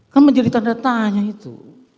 kan menjadi tanda tanya itu